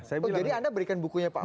jadi anda berikan bukunya pak ahok